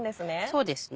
そうですね。